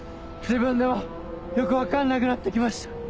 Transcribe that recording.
自分でもよく分かんなくなって来ました。